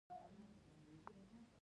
باختر اژانس خبرونه خپروي